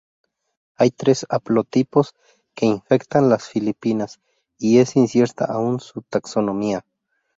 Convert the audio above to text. Hay tres haplotipos que infectan las filipinas y es incierta aún su taxonomía.